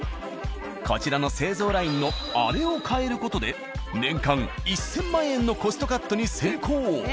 こちらの製造ラインのあれを変える事で年間１０００万円のコストカットに成功。